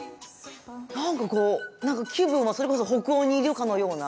なんかこうなんか気分はそれこそ北欧にいるかのような。